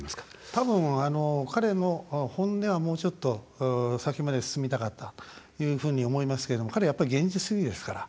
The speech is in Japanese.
たぶん、彼の本音はもうちょっと先まで進みたかったというふうに思いますけれども彼、やっぱ現実主義ですから。